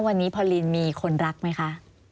วันนี้พอลินมีคนรักไหมคะ